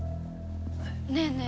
ねえねえ